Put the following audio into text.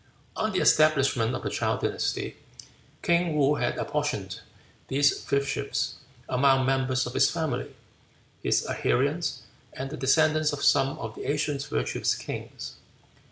On the establishment of the Chow dynasty, King Woo had apportioned these fiefships among members of his family, his adherents, and the descendants of some of the ancient virtuous kings.